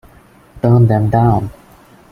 Turn them down!